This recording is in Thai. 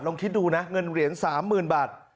คิดดูนะเงินเหรียญ๓๐๐๐บาท